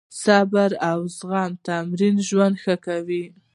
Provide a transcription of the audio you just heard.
د صبر او زغم تمرین ژوند ښه کوي.